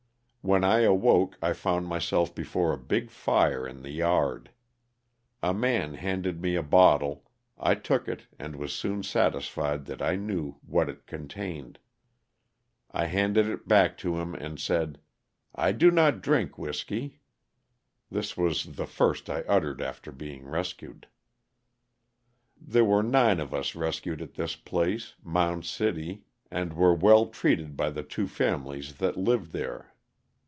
When I awoke I found myself before a big fire in the yard. A man handed me a bottle, I took it and was soon satis fied that I knew what it contained. I handed it back to him and said, ''^I do not drink whiskey;" (this was the first I uttered after being rescued). There were nine of us rescued at this place, Mound City (?), and were well treated by the two families that lived there.